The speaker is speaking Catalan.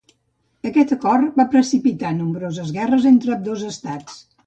Aquest acord va precipitar nombroses guerres entre ambdós estats.